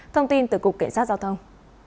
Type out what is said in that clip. thông tin từ cục kể sát giao thông